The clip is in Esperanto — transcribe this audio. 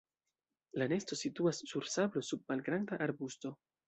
La nesto situas sur sablo sub malgranda arbusto.